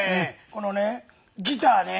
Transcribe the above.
このねギターね